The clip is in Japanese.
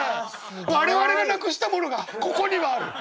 我々がなくしたものがここにはある。